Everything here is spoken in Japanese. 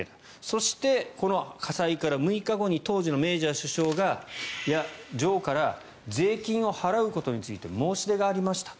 そして、この火災から６日後に当時のメージャー首相が女王から税金を払うことについて申し出がありました